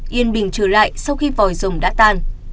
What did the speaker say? yên bình trở lại sau khi vòi dùng đã tan